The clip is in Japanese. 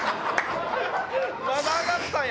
まだ上がったんや。